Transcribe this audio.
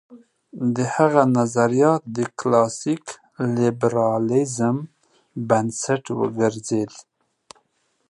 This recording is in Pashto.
د هغه نظریات د کلاسیک لېبرالېزم بنسټ وګرځېد.